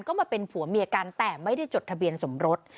ก็มาเป็นผัวเมียกันแต่ไม่ได้จดทะเบียนสมรส